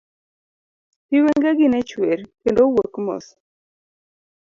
Pi wenge gi ne chwer, kendo wuok mos.